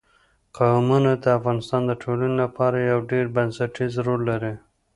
قومونه د افغانستان د ټولنې لپاره یو ډېر بنسټيز رول لري.